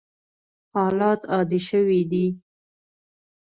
حالات عادي شوي دي.